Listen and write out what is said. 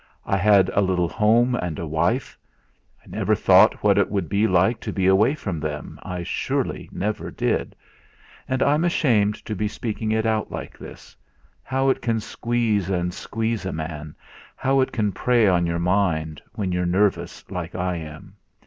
I had a little home and a wife. I never thought what it would be like to be away from them, I surely never did; and I'm ashamed to be speaking it out like this how it can squeeze and squeeze a man, how it can prey on your mind, when you're nervous like I am.